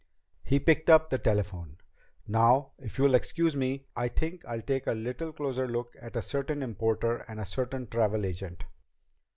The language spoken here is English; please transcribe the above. He picked up the telephone. "Now, if you'll excuse me, I think I'll take a little closer look at a certain importer and a certain travel agent."